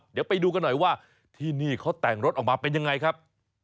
เดี๋ยวไปดูกันหน่อยว่าที่นี่เขาแต่งรถออกมาเป็นยังไงครับ